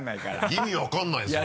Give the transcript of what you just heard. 意味分かんないよ